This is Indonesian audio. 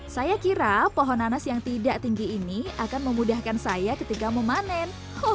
saya kira pohon nanas yang tidak tinggi ini akan memudahkan saya ketika memanen